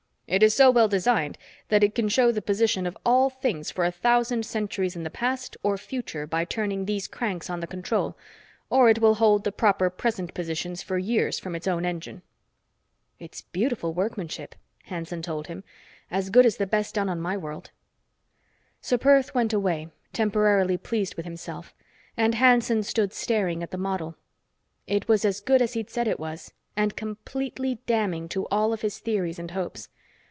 "It is so well designed that it can show the position of all things for a thousand centuries in the past or future by turning these cranks on the control, or it will hold the proper present positions for years from its own engine." "It's beautiful workmanship," Hanson told him. "As good as the best done on my world." Ser Perth went away, temporarily pleased with himself, and Hanson stood staring at the model. It was as good as he'd said it was and completely damning to all of his theories and hopes.